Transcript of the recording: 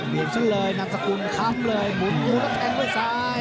เปลี่ยนเสร็จเลยนังสกุลคำเลยหมูน้ำแพงด้วยทราย